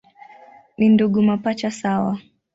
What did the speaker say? Ni ndugu mapacha sawa.